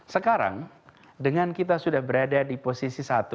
sekarang dengan kita sudah berada di posisi satu